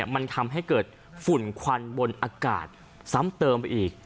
บนอากาศซ้ำเติมไปอีก